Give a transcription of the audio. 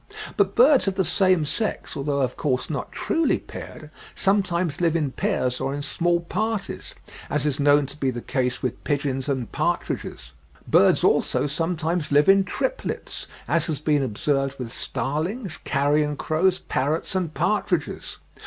But birds of the same sex, although of course not truly paired, sometimes live in pairs or in small parties, as is known to be the case with pigeons and partridges. Birds also sometimes live in triplets, as has been observed with starlings, carrion crows, parrots, and partridges.